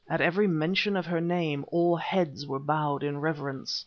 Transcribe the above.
At every mention of her name all heads were bowed in reverence.